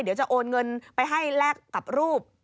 เดี๋ยวจะโอนเงินไปให้แลกกับรูป